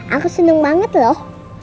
aku seneng banget loh